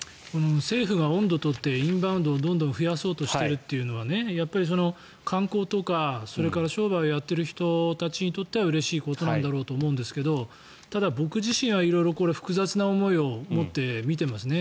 政府が音頭を取ってインバウンドをどんどん増やそうとしているというのは観光とか商売をやっている人たちにとってはうれしいことなんだろうと思うんですけどただ僕自身はこれ複雑な思いを持って見ていますね。